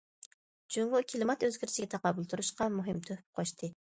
جۇڭگو كىلىمات ئۆزگىرىشىگە تاقابىل تۇرۇشقا مۇھىم تۆھپە قوشتى.